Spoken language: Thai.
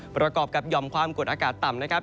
ประกอบกับหย่อมความกดอากาศต่ำนะครับ